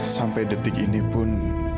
sampai detik ini pun